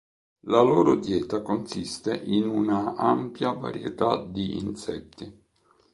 La loro dieta consiste in una ampia varietà di insetti.